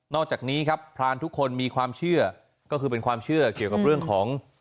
อกจากนี้ครับพรานทุกคนมีความเชื่อก็คือเป็นความเชื่อเกี่ยวกับเรื่องของ